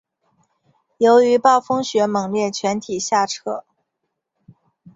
由于暴风雪猛烈全体下撤。